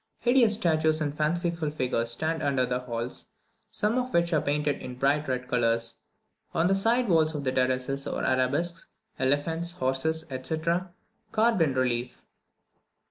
Hideous statues and fanciful figures stand under the halls, some of which are painted in bright red colours. On the side walls of the terraces are arabesques, elephants, horses, etc., carved in relief.